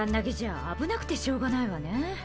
危なくてしょうがないわね。